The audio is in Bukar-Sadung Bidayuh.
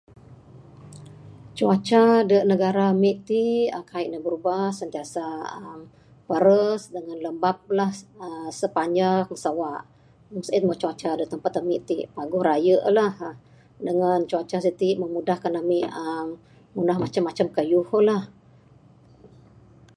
Cuaca da negara ami ti uhh kaik ne birubah sentiasa uhh pares dangan lembab la uhh sepanjang sawa meng sien lagih cuaca da tempat ami ti paguh raye la uhh dangan cuaca siti memudahkan ami uhh ngundah macam macam kayuh lah.